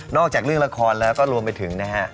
จากเรื่องละครแล้วก็รวมไปถึงนะฮะ